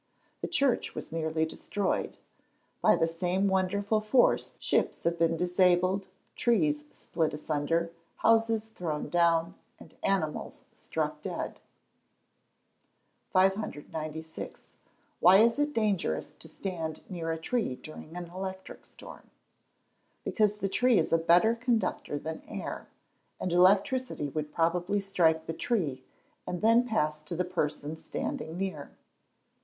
The church was nearly destroyed. By the same wonderful force, ships have been disabled, trees split asunder, houses thrown down, and animals struck dead. 596. Why is it dangerous to stand near a tree during an electric storm? Because the tree is a better conductor than air, and electricity would probably strike the tree, and then pass to the person standing near.